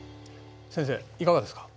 先生いかがですか？